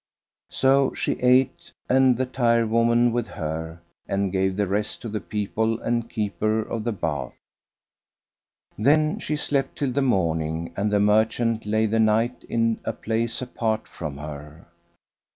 So she ate and the tire woman with her, and gave the rest to the people and keeper of the bath. Then she slept till the morning, and the merchant lay the night in a place apart from her.